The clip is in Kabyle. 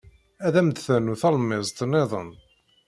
Ad am-d-ternu talemmiẓt niḍen.